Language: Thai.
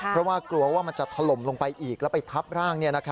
เพราะว่ากลัวว่ามันจะถล่มลงไปอีกแล้วไปทับร่าง